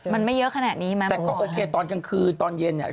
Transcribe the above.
มันไม่เยอะขนาดนี้มั้งแต่ก็โอเคตอนกลางคืนตอนเย็นเนี้ย